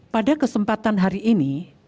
pada kesempatan hari ini